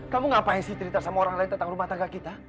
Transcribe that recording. kamu ngapain sih cerita sama orang lain tentang rumah tangga kita